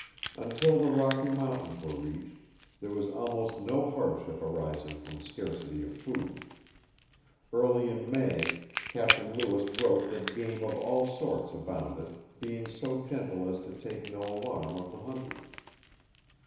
Until the Rocky Mountains were reached, there was almost no hardship arising from scarcity of food. Early in May, Captain Lewis wrote that game of all sorts abounded, being so gentle as to take no alarm of the hunters.